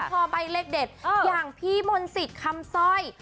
ก็พอใบเลขเด็ดอย่างพี่มนศิษย์คำซอย